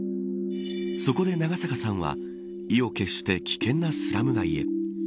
そこで、長坂さんは意を決して危険なスラム街へ。